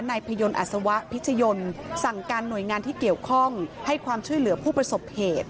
พยนตอัศวะพิชยนต์สั่งการหน่วยงานที่เกี่ยวข้องให้ความช่วยเหลือผู้ประสบเหตุ